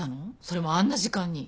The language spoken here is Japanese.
それもあんな時間に。